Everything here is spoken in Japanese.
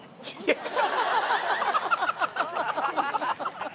ハハハハ！